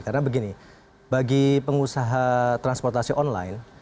karena begini bagi pengusaha transportasi online